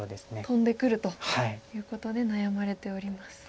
トンでくるということで悩まれております。